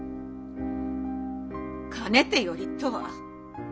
かねてよりとは？